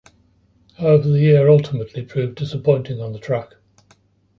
However the year ultimately proved disappointing on the track.